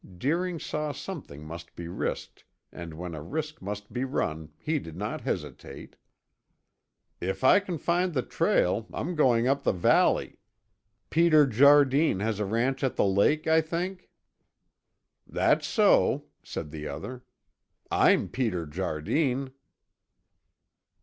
Deering saw something must be risked and when a risk must be run he did not hesitate. "If I can find the trail, I'm going up the valley. Peter Jardine has a ranch at the lake, I think?" "That's so," said the other. "I'm Peter Jardine!"